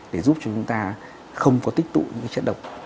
để giúp cho chúng ta không có tích tụ những chất độc